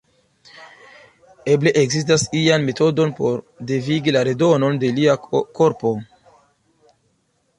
Eble ekzistas ian metodon por devigi la redonon de lia korpo.